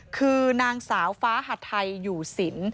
คือนางสาวฟ้าหัดไทยอยู่สิน